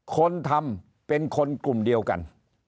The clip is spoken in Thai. คนทำเป็นคนกลุ่มเดียวกัน